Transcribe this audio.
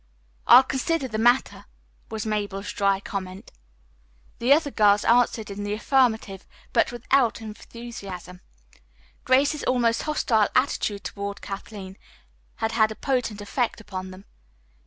"I'll consider the matter," was Mabel's dry comment. The other girls answered in the affirmative, but without enthusiasm. Grace's almost hostile attitude toward Kathleen had had a potent effect upon them.